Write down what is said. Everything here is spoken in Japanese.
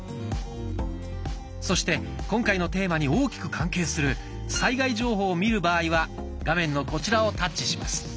そして今回のテーマに大きく関係する災害情報を見る場合は画面のこちらをタッチします。